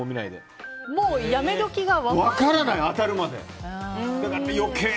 やめ時が分からない当たるまで。